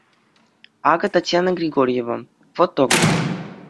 Акӑ Татьяна Григорьева -- фотограф.